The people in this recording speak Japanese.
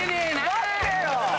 待ってよ！